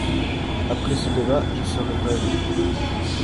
Après ce débat, je serai brève.